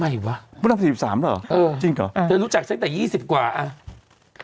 เมื่อดำเท่าไหร่ปีนี้